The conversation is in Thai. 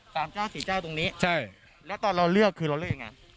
เจ้าสี่เจ้าตรงนี้ใช่แล้วตอนเราเลือกคือเราเลือกยังไง